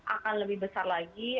akan lebih besar lagi